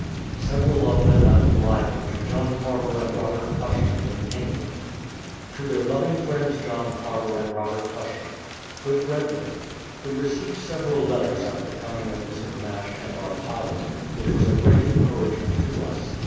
Several of them at Leyden to John Carver a>id Robert Ciishman in England: To their loving friends John Carver and Robert Cushman : Good Brethren, We received several letters at the coming of Mr. Nash and our pilot, which was a great encouragement to us.